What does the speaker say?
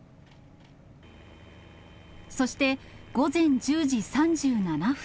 そして午前１０時３７分。